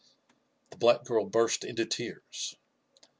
The black girl burst into tears.